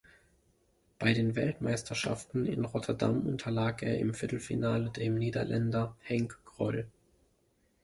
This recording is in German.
Bei den Weltmeisterschaften in Rotterdam unterlag er im Viertelfinale dem Niederländer Henk Grol.